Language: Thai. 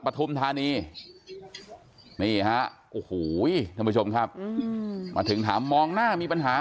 ปฐุมธานีนี่ฮะโอ้โหท่านผู้ชมครับมาถึงถามมองหน้ามีปัญหา